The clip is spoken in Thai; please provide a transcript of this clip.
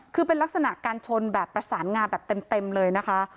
คือเป็นลักษณะการชนแบบประสานงาแบบเต็มเลยนะคะ